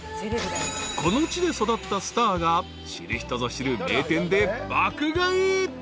［この地で育ったスターが知る人ぞ知る名店で爆買い］